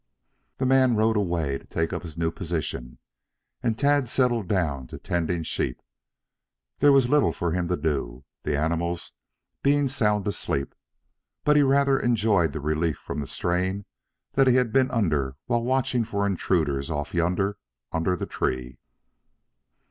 The man rode away to take up his new position and Tad settled down to tending sheep. There was little for him to do, the animals being sound asleep, but he rather enjoyed the relief from the strain that he had been under while watching for intruders off yonder under the tree.